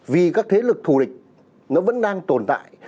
vì các thế lực thù địch nó vẫn đang tồn tại